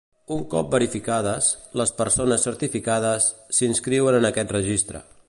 Un cop verificades, les persones certificades, s'inscriuen en aquest Registre.